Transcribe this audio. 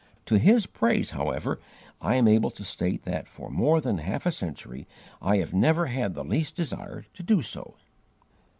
To His praise, however, I am able to state that for more than half a century I have never had the least desire to do so."